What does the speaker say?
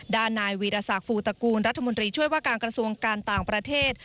ด้านนายวีรศักดิ์ฟูตระกูลรัฐมนตรีช่วยว่าการกระทรวงการต่างประเทศ